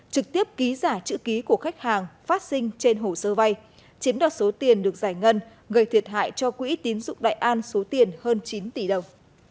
trực tiếp ký giả chữ ký của khách hàng phát sinh trên hồ sơ vay chiếm đoạt số tiền được giải ngân gây thiệt hại cho quỹ tín dụng đại an số tiền hơn chín tỷ đồng